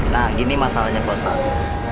nah gini masalahnya pak ustadz